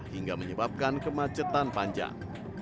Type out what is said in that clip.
hingga menyebabkan kemacetan panjang